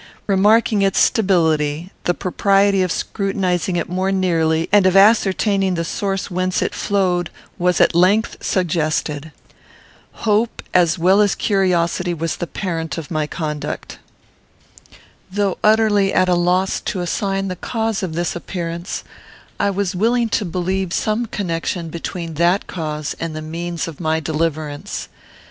Remarking its stability, the propriety of scrutinizing it more nearly, and of ascertaining the source whence it flowed, was at length suggested. Hope, as well as curiosity, was the parent of my conduct. Though utterly at a loss to assign the cause of this appearance, I was willing to believe some connection between that cause and the means of my deliverance.